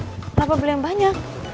kenapa beli yang banyak